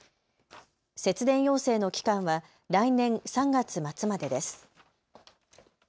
節電要請の期間は来年３月末までです。